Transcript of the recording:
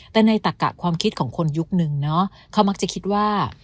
แต่ในตักกะความคิดของคนยุคนึงเนาะเขามักจะคิดว่า